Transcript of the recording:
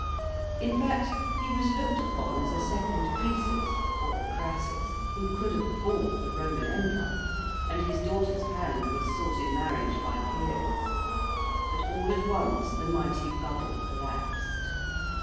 In fact, he was looked upon as a second Croesus, or a Crassus, who could have bought the Roman empire; and his daughter's hand was sought in marriage by peers. But all at once the mighty bubble collapsed.